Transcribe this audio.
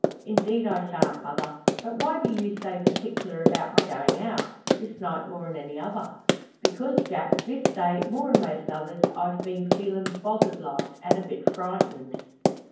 "Indeed I shan't, mother. But why be you so partic'lar about my goin' out this night more'n any other?" "Because, Jack, this day, more'n most others, I've been feelin' bothered like, and a bit frightened."